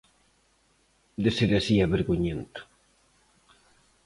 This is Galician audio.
De ser así, é vergoñento.